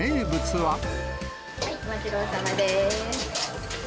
はい、お待ちどおさまです。